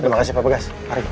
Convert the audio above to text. terima kasih pak bagas